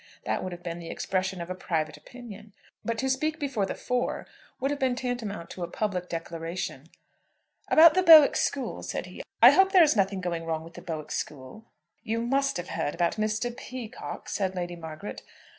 That would have been the expression of a private opinion; but to speak before the four would have been tantamount to a public declaration. "About the Bowick school?" said he; "I hope there is nothing going wrong with the Bowick school." "You must have heard about Mr. Peacocke," said Lady Margaret.